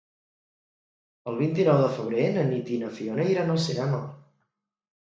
El vint-i-nou de febrer na Nit i na Fiona iran al cinema.